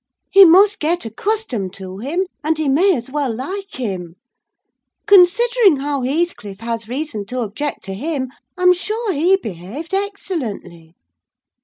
He must get accustomed to him, and he may as well like him: considering how Heathcliff has reason to object to him, I'm sure he behaved excellently!"